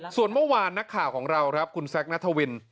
ส่วนเมื่อวานนักข่าวของเราครับคุณแซคนัทวิน